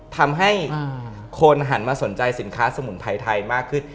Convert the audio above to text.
ทำให้คนหันมาสนใจสินค้าสมุนไพรไทยมากขึ้น